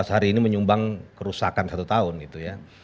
seratus hari ini menyumbang kerusakan satu tahun gitu ya